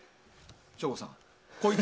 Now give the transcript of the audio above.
省吾さん。